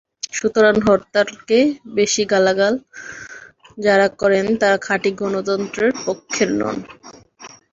সুতরাং হরতালকে বেশি গালাগাল যাঁরা করেন, তাঁরা খাঁটি গণতন্ত্রের পক্ষের নন।